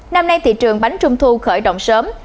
năm nay thị trường bánh trung thu khởi động sớm